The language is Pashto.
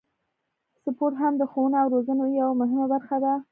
سپورت هم د ښوونې او روزنې یوه مهمه برخه ده.